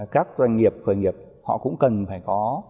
các doanh nghiệp khởi nghiệp họ cũng cần phải có